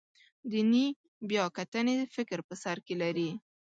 دیني بیاکتنې فکر په سر کې لري.